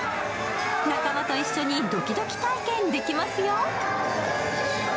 仲間と一緒にドキドキ体験できますよ。